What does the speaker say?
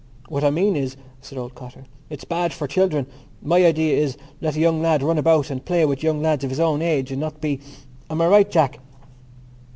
"What I mean is," said old Cotter, "it's bad for children. My idea is: let a young lad run about and play with young lads of his own age and not be.... Am I right, Jack?"